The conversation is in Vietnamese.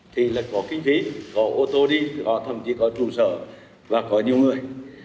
thì là có kinh phí có ô tô đi thậm chí có trụ sở và có nhiều người